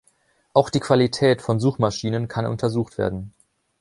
Auch die Qualität von Suchmaschinen kann untersucht werden.